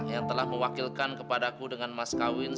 yang telah mewakilkan kepadaku dengan mas kawin